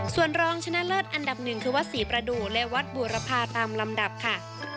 ส่วนรองชนะเลิศอันดับหนึ่งคือวัดศรีประดูกและวัดบูรพาตามลำดับค่ะ